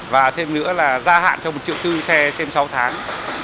và thêm nữa là gia hạn trong một triệu tư xe xem sáu tháng